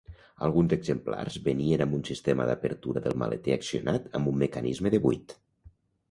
Alguns exemplars venien amb un sistema d'apertura del maleter accionat amb un mecanisme de buit.